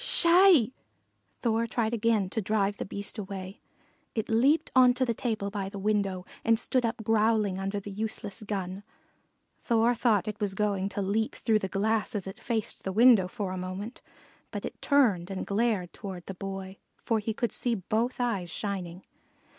"Sssh hi!" Thor tried again to drive the Beast away. It leaped on to the table by the window and stood up growling under the useless gun. Thor thought it was going to leap through the glass as it faced the window a moment; but it turned and glared toward the Boy, for he could see both eyes shining.